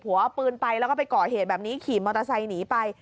เอาปืนไปแล้วก็ไปก่อเหตุแบบนี้ขี่มอเตอร์ไซค์หนีไป